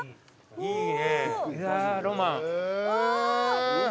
いいね！